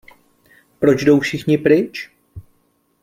Proč jdou všichni pryč?